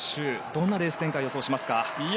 どんなレース展開を予想しますか。